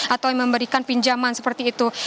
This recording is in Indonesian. atau yang memberikan pinjaman seperti itu